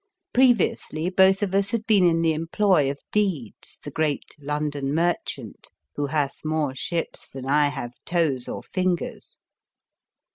Previously, both of us had been in the employ of Deedes, the great London merchant, who hath more ships than I have toes or fingers.